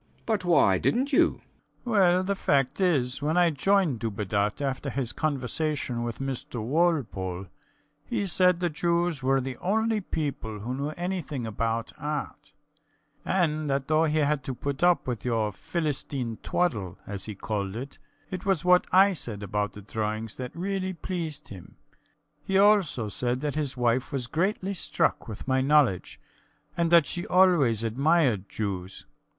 B. B. But why didnt you? SCHUTZMACHER. Well, the fact is, when I joined Dubedat after his conversation with Mr Walpole, he said the Jews were the only people who knew anything about art, and that though he had to put up with your Philistine twaddle, as he called it, it was what I said about the drawings that really pleased him. He also said that his wife was greatly struck with my knowledge, and that she always admired Jews.